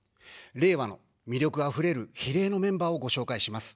れいわの魅力あふれる比例のメンバーをご紹介します。